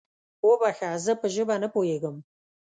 وبخښه، زه په ژبه نه پوهېږم؟